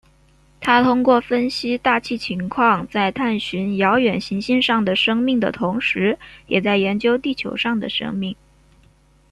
他通过分析大气情况在探寻遥远行星上的生命的同时也在研究地球上的生命。